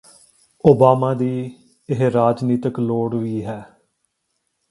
Obama ਦੀ ਇਹ ਰਾਜਨੀਤਕ ਲੋੜ ਵੀ ਹੈ